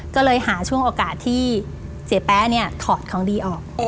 ก็เลยหาช่วงโอกาสที่เสียแป๊ะเนี่ยถอดของดีออก